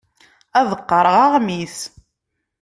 Ad qqareɣ aɣmis.